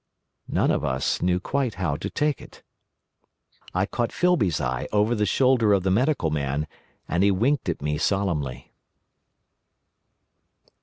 None of us quite knew how to take it. I caught Filby's eye over the shoulder of the Medical Man, and he winked at me solemnly.